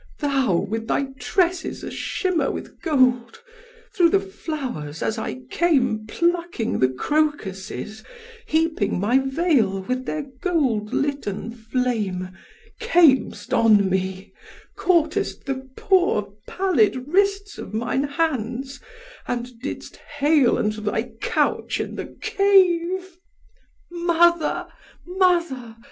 Thou with thy tresses a shimmer with gold, through the flowers as I came Plucking the crocuses, heaping my veil with their gold litten flame, Cam'st on me, caughtest the poor pallid wrists of mine hands, and didst hale Unto thy couch in the cave. 'Mother! mother!'